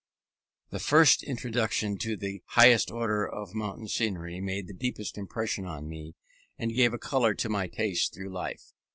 This first introduction to the highest order of mountain scenery made the deepest impression on me, and gave a colour to my tastes through life.